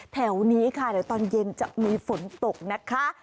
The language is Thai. แถวนี้ค่ะเดี๋ยวตอนเย็นจะมีฝนตกนะคะ